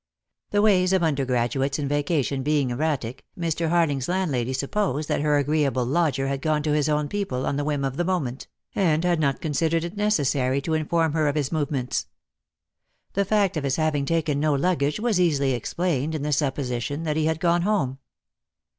The ways of undergraduates in vacation being erratic, Mr. HarUng's landlady supposed that her agreeable lodger had gone to his own people on the whim of the moment, and had not considered it necessary to inform her of his movements. The fact of his having taken no luggage was easily explained in the supposition that he had gone home.